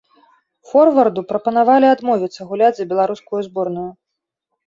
Форварду прапанавалі адмовіцца гуляць за беларускую зборную.